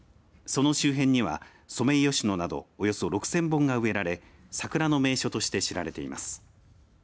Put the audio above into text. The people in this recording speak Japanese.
その周辺にはソメイヨシノなどおよそ６０００本が植えられ桜の名所として知られています。